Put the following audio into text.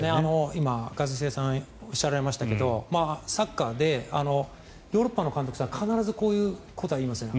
今、一茂さんがおっしゃられましたけどサッカーでヨーロッパの監督さんは必ずこういうことを言いますね。